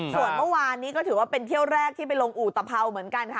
ส่วนเมื่อวานนี้ก็ถือว่าเป็นเที่ยวแรกที่ไปลงอุตภาวเหมือนกันค่ะ